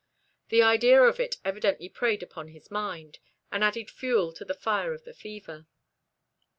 The idea of it evidently preyed upon his mind, and added fuel to the fire of the fever.